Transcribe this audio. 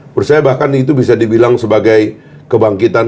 percaya bahkan itu bisa dibilang sebagai kebangkitan